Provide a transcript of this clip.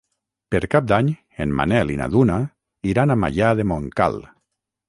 Per Cap d'Any en Manel i na Duna iran a Maià de Montcal.